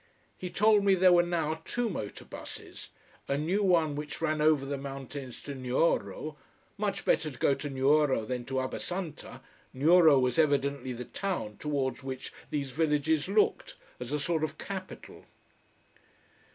He told me there were now two motor buses: a new one which ran over the mountains to Nuoro. Much better go to Nuoro than to Abbasanta. Nuoro was evidently the town towards which these villages looked, as a sort of capital.